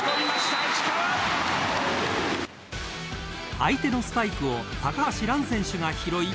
相手のスパイクを高橋藍選手が拾い